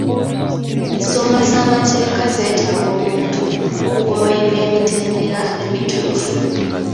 Ensonga z'amateeka zeetaaga omuntu okugoberera emitendera emituufu.